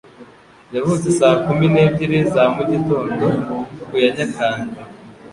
Yavutse saa kumi n'ebyiri za mugitondo ku ya Nyakanga.